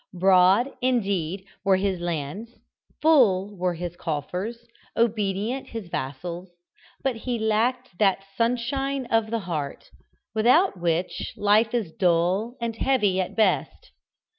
Broad, indeed, were his lands, full were his coffers, obedient his vassals, but he lacked that sunshine of the heart, without which life is dull and heavy at the best.